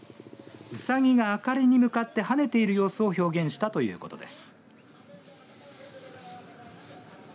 ウサギが明かりに向かってはねている様子を表現したということです。